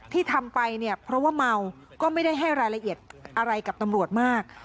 ที่ทำไปเนี่ยเพราะว่าเมาก็ไม่ได้ให้รายละเอียดอะไรกับตำรวจมาก